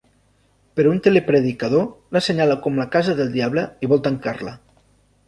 Però un telepredicador la senyala com la casa del Diable i vol tancar-la.